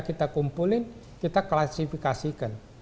kita kumpulin kita klasifikasikan